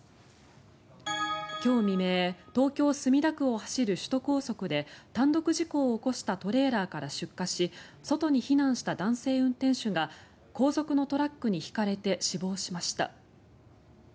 今日未明東京・墨田区を走る首都高速で単独事故を起こしたトレーラーから出火し外に避難した男性運転手が後続のトラックにひかれて死亡しました。